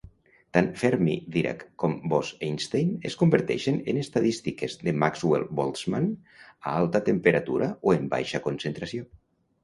Tant Fermi-Dirac com Bose-Einstein es converteixen en estadístiques de Maxwell-Boltzmann a alta temperatura o en baixa concentració.